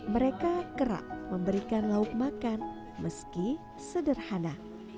mereka kerap memberikan lauk makan meski sederhana